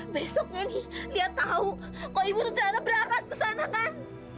besoknya nih liat tau kok ibu tuh ternyata berangkat kesana kan